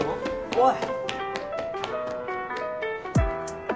おい！